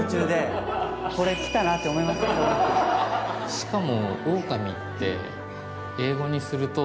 しかも。